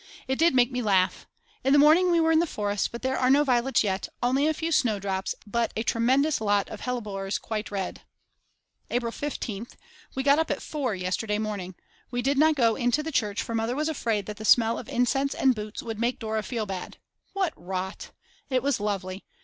It did make me laugh. In the morning we were in the forest; but there are no violets yet, only a few snowdrops, but a tremendous lot of hellebores quite red. April 15th. We got up at 4 yesterday morning. We did not go into the church for Mother was afraid that the smell of incense and boots would make Dora feel bad. What rot! It was lovely.